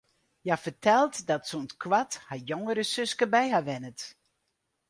Hja fertelt dat sûnt koart har jongere suske by har wennet.